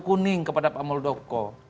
kuning kepada pak muldoko